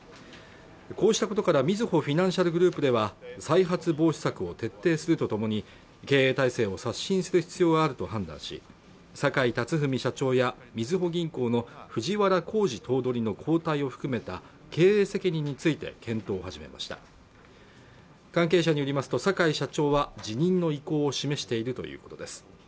こうしたことからみずほフィナンシャルグループでは再発防止策を徹底するとともに経営体制を刷新する必要があると判断し坂井辰史社長やみずほ銀行の藤原頭取の交代を含めた経営責任について検討を始めました関係者によりますと坂井社長は辞任の意向を示しているということです